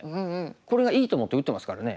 これがいいと思って打ってますからね。